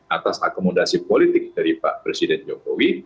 atas akomodasi politik dari pak presiden jokowi